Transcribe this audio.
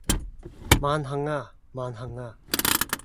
萬幸呀！萬幸呀！